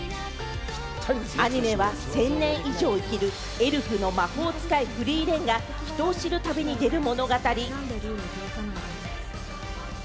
アニメは１０００年以上生きるエルフの魔法使い・フリーレンが人を知る旅に出る物語。